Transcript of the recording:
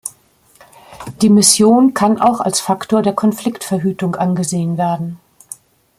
Die Mission kann auch als Faktor der Konfliktverhütung angesehen werden.